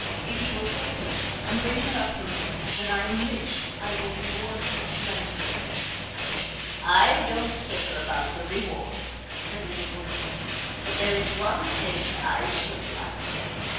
If you will take her, and bring her up for me, when I am rich I will reward you splendidly.' 'I don't care about the reward,' said the old woman, 'but there is one thing I should like.